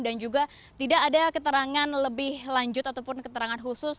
dan juga tidak ada keterangan lebih lanjut ataupun keterangan khusus